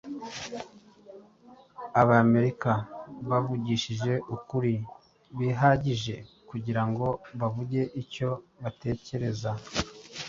Abaamerika bavugishije ukuri bihagije kugirango bavuge icyo batekereza.